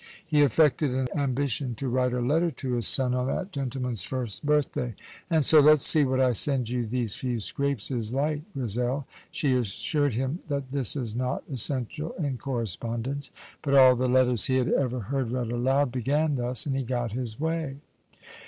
He affected an ambition to write a letter to his son on that gentleman's first birthday, and so "Let's see what 'I send you these few scrapes' is like, Grizel." She assured him that this is not essential in correspondence, but all the letters he had ever heard read aloud began thus, and he got his way.